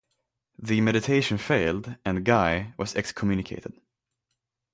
The mediation failed and Guy was excommunicated.